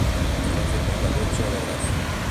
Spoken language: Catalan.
Es va formar a la Llotja de Gràcia.